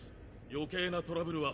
余計なトラブルは。